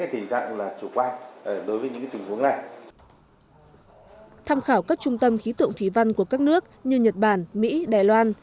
tham khảo các trung tâm khí tượng thủy văn của các nước như nhật bản mỹ đài loan